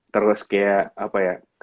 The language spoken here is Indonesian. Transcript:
terus kayak apa ya